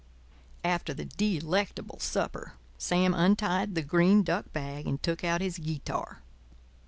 After the delectable supper, Sam untied the green duck bag and took out his guitar.